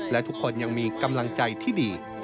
และทุกคนยังมีกำลังใจที่ดี